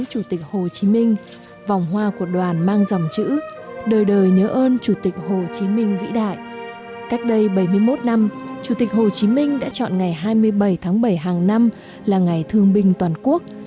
chủ tịch hồ chí minh đã chọn ngày hai mươi bảy tháng bảy hàng năm là ngày thương binh toàn quốc